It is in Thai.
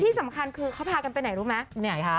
ที่สำคัญคือเขาพากันไปไหนรู้ไหมไหนคะ